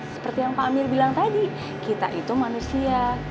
seperti yang pak amir bilang tadi kita itu manusia